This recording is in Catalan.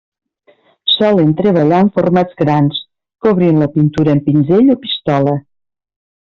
Solen treballar en formats grans, cobrint la pintura amb pinzell o pistola.